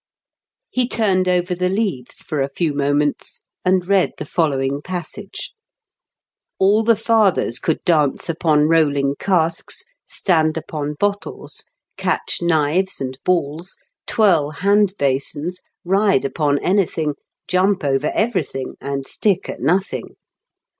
He turned over the leaves for a few moments, and read the foUowing passage: "All the fathers could dance upon rolling casks, stand upon bottles, catch knives and balls, twirl hand basins, ride upon anything, jump over everything, and stick at nothing.